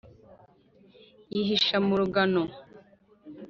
yihisha mu rugano.